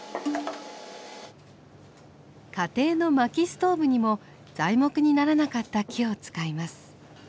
家庭の薪ストーブにも材木にならなかった木を使います。